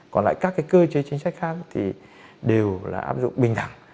còn lại các cái cơ chế chính sách khác thì đều là áp dụng bình đẳng